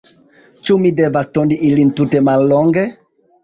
Ĉu mi devas tondi ilin tute mallonge?